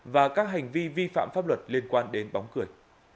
và các hành vi vi phạm pháp luật liên quan đến bóng cười